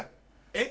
えっ？